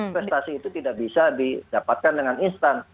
prestasi itu tidak bisa didapatkan dengan instan